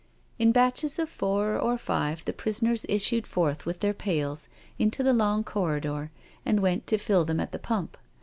In batches of four or five the prisoners issued forth with their pails into the long corridor and went to fill them at the pump.